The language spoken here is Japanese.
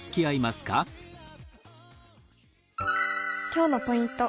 今日のポイント。